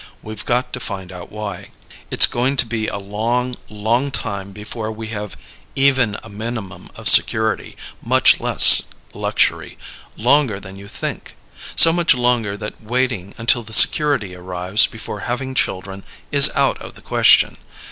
We've got to find out why. "It's going to be a long, long time before we have even a minimum of security, much less luxury. Longer than you think.... So much longer that waiting until the security arrives before having children is out of the question.